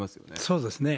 そうですね。